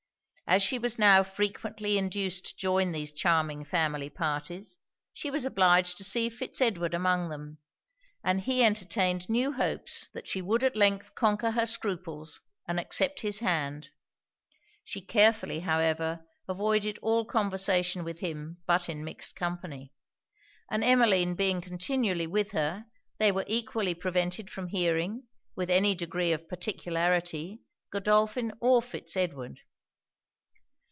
As she was now frequently induced to join these charming family parties, she was obliged to see Fitz Edward among them; and he entertained new hopes that she would at length conquer her scruples and accept his hand: she carefully, however, avoided all conversation with him but in mixed company; and Emmeline being continually with her, they were equally prevented from hearing, with any degree of particularity, Godolphin or Fitz Edward.